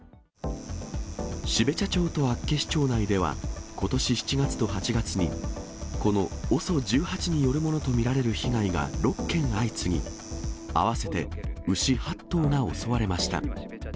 標茶町と厚岸町内では、ことし７月と８月に、このＯＳＯ１８によると見られる被害が６件相次ぎ、合わせて牛８頭が襲われました。